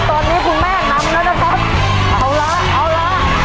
ตอนนี้คุณแม่นำแล้วนะครับเอาละเอาละ